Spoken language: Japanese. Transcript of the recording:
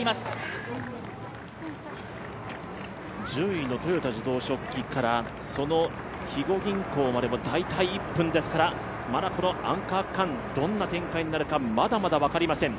１０位の豊田自動織機から肥後銀行までは大体１分ですから、まだこのアンカー区間どんな展開になるかまだまだ分かりません。